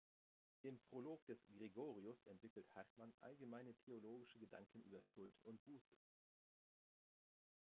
Im Prolog des "Gregorius" entwickelt Hartmann allgemeine theologische Gedanken über Schuld und Buße.